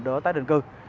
đó là tái định cư